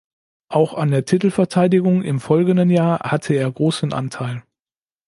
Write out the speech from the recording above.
Auch an der Titelverteidigung im folgenden Jahr hatte er großen Anteil.